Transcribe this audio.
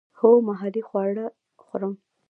هو، محلی خواړه خورم